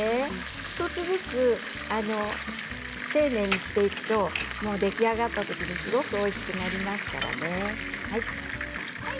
１つずつ丁寧にしていくと出来上がった時にすごくおいしくなりますからね。